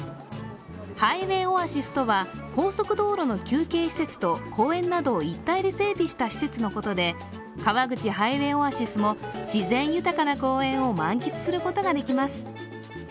ハイウェイオアシスとは高速道路の休憩施設と公園などを一体で整備した施設のことで川口ハイウェイオアシスも自然豊かな公園を満喫することができます。